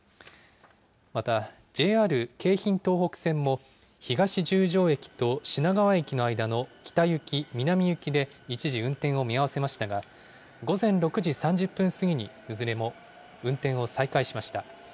また、ＪＲ京浜東北線も、東十条駅と品川駅の間の北行き、南行きで一時運転を見合わせましたが、午前６時３０分過ぎにいずれも運転を再開しました。